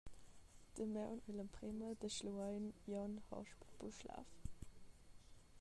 Damaun ei l’emprema da Schluein Glion hosp a Puschlav.